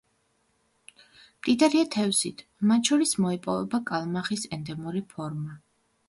მდიდარია თევზით, მათ შორის მოიპოვება კალმახის ენდემური ფორმა.